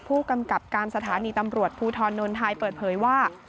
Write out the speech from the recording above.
ผู้กำกับการสถานีตำรวจภูทรนนไทยเปิดเผยว่า